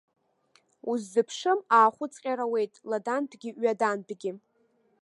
Уззыԥшым аахәыҵҟьар ауеит ладантәгьы ҩадантәгьы.